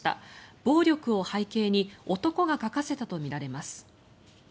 暴力を背景に男が書かせたとみられます。